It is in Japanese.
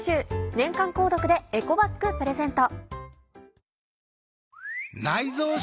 年間購読でエコバッグプレゼント。